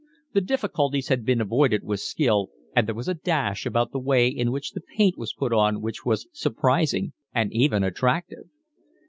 The difficulties had been avoided with skill, and there was a dash about the way in which the paint was put on which was surprising and even attractive.